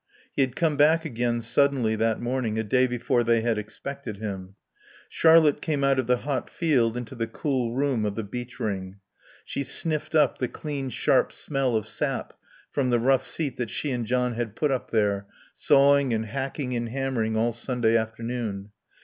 He had come back again, suddenly, that morning, a day before they had expected him. Charlotte came out of the hot field into the cool room of the beech ring. She sniffed up the clean, sharp smell of sap from the rough seat that she and John had put up there, sawing and hacking and hammering all Sunday afternoon.